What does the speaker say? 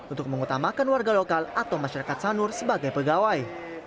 untuk mengutamakan warga lokal atau masyarakat sanur sebagai pegawai